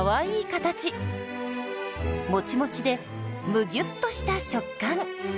もちもちでむぎゅっとした食感。